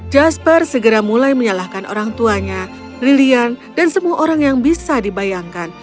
jasper segera mulai menyalahkan orang tuanya lilian dan semua orang yang bisa dibayangkan